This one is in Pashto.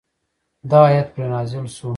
دا آیت پرې نازل شو.